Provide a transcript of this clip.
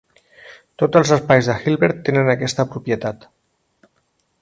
Tots els espais de Hilbert tenen aquesta propietat.